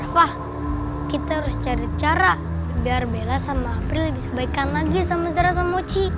rafa kita harus cari cara biar bella sama april bisa kebaikan lagi sama zara sama uci